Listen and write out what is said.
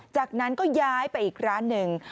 จากนั้นก็ย้ายไปอีกร้านหนึ่ง